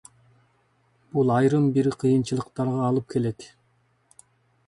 Бул айрым бир кыйынчылыктарга алып келет.